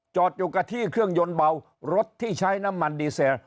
จอดอยู่กับที่เครื่องยนต์เบารถที่ใช้น้ำมันดีเซล